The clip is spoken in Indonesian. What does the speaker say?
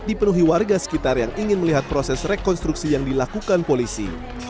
dipenuhi warga sekitar yang ingin melihat proses rekonstruksi yang dilakukan polisi